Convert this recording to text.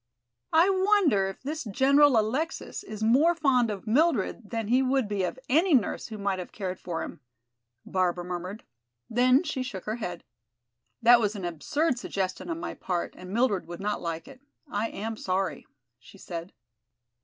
"I wonder if this General Alexis is more fond of Mildred than he would be of any nurse who might have cared for him?" Barbara murmured. Then she shook her head. "That was an absurd suggestion on my part and Mildred would not like it. I am sorry," she said.